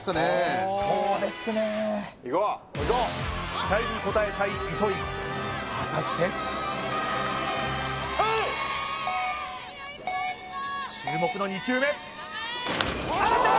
期待に応えたい糸井果たしてプレー注目の２球目打った！